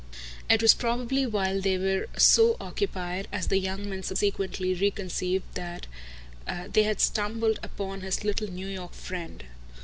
It was probably while they were so occupied as the young man subsequently reconceived that they had stumbled upon his little New York friend.